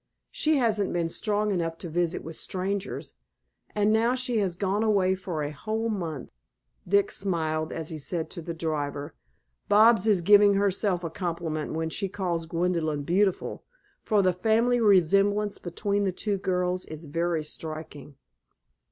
She hasn't been strong enough to visit with strangers, and now she has gone away for a whole month." Dick smiled as he said to the driver: "Bobs is giving herself a compliment when she calls Gwendolyn beautiful, for the family resemblance between the two girls is very striking."